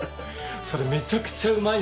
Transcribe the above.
それめちゃくちゃうまいですよ。